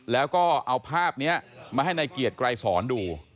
แล้วก็เอาภาพนี้มาให้นายเกียรติไกรสอนดู